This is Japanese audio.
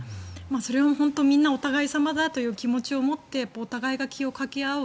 それを本当にみんなお互い様だという気持ちを持ってお互いが気をかけ合う。